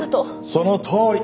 そのとおり。